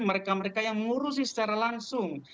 mereka mereka yang mengurusi secara langsung